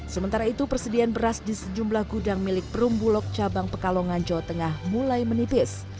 sementara itu persediaan beras di sejumlah gudang milik perumbulok cabang pekalongan jawa tengah mulai menipis